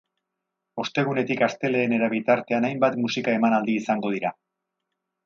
Ostegunetik astelehenera bitartean hainbat musika emanaldi izango dira.